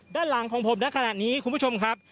ด้านหลังของผมในขณะนี้คุณผู้ชมครับ